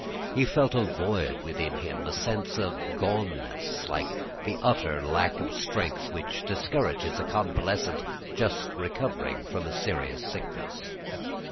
He felt a void within him, a sense of goneness like the utter lack of strength which discourages a convalescent just recovering from a serious sickness.